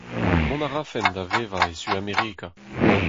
Mont a rafen da vevañ e Suamerika !